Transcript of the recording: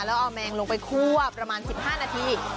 แล้วเอาแมงลงไปคั่วประมาณ๑๕นาที